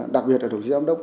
đặc biệt là đồng chí giám đốc